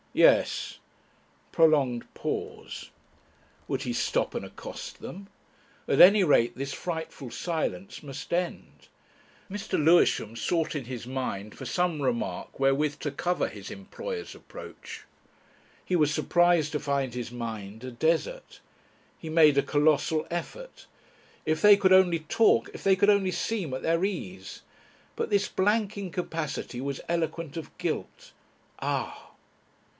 "Yes." Prolonged pause. Would he stop and accost them? At any rate this frightful silence must end. Mr. Lewisham sought in his mind for some remark wherewith to cover his employer's approach. He was surprised to find his mind a desert. He made a colossal effort. If they could only talk, if they could only seem at their ease! But this blank incapacity was eloquent of guilt. Ah!